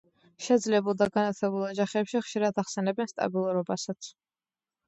შეძლებულ და განათლებულ ოჯახებში ხშირად ახსენებენ სტაბილურობასაც.